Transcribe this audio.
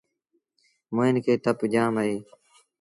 موهيݩ کي تپ جآم اهي۔